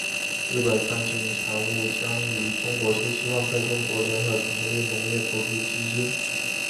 日本三井物产将与中国新希望在中国联合成立农业投资基金。